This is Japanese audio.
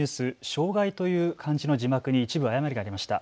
障害という漢字の字幕に一部誤りがありました。